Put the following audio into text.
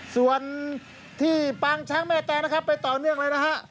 ส่วนที่ปางช้างแม่แตนะครับไปต่อเนื่องเลยนะฮะ